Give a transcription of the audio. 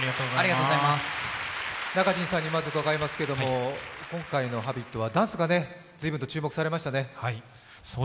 Ｎａｋａｊｉｎさんにまず伺いますけど、今回の「Ｈａｂｉｔ」はダンスが随分と注目されましたね。